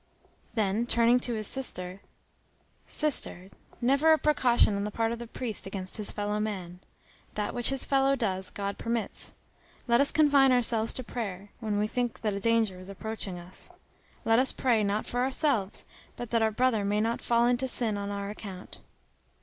Then, turning to his sister: "Sister, never a precaution on the part of the priest, against his fellow man. That which his fellow does, God permits. Let us confine ourselves to prayer, when we think that a danger is approaching us. Let us pray, not for ourselves, but that our brother may not fall into sin on our account."